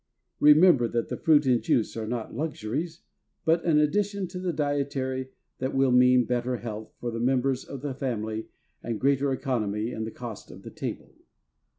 Remember that the fruit and juice are not luxuries, but an addition to the dietary that will mean better health for the members of the family and greater economy in the cost of the table.